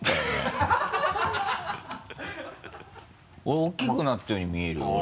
大きくなったように見えるよ？